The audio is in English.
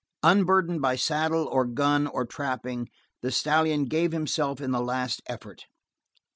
Unburdened by saddle or gun or trapping, the stallion gave himself in the last effort.